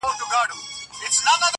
• نه استاد وي نه منطق نه هندسه وي -